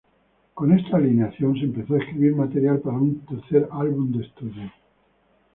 Con esta alineación, se empezó a escribir material para un tercer álbum de estudio.